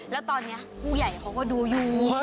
แล้วตอนนี้ผู้ใหญ่เขาก็ดูอยู่